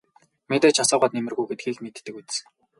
Мэдээж асуугаад нэмэргүй гэдгийг нь мэддэг биз.